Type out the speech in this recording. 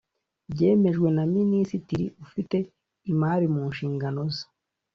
byemejwe na Minisitiri ufite imari mu nshingano ze